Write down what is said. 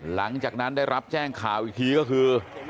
หลังจากนั้นได้รับแจ้งข่าวอีกทีก็คือ